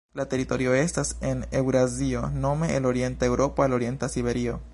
La teritorio estas en Eŭrazio nome el orienta Eŭropo al orienta Siberio.